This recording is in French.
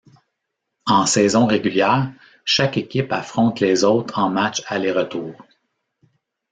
En saison régulière, chaque équipe affronte les autres en match aller-retour.